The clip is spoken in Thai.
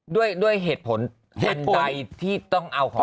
ด้วยเหตุผลมันใดที่ต้องเอาของเขา